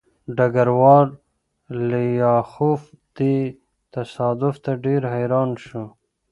ډګروال لیاخوف دې تصادف ته ډېر حیران شو